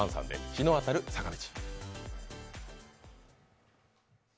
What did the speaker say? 「陽の当たる坂道」。